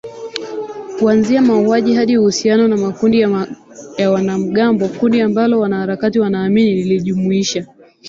kuanzia mauaji hadi uhusiano na makundi ya wanamgambo kundi ambalo wanaharakati wanaamini lilijumuisha